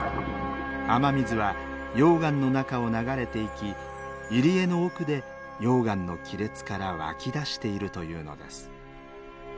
雨水は溶岩の中を流れていき入り江の奥で溶岩の亀裂から湧き出しているというのです。